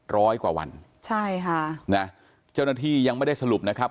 ร้อยกว่าวันใช่ค่ะนะเจ้าหน้าที่ยังไม่ได้สรุปนะครับ